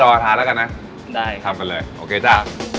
โอเคจ้ะ